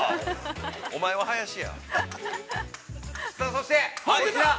◆そして、こちら。